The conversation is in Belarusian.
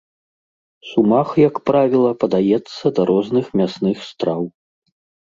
Сумах, як правіла, падаецца да розных мясных страў.